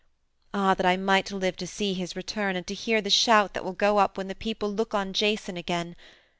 Ah, that I might live to see his return and to hear the shout that will go up when the people look on Jason again!